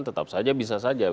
tetap saja bisa saja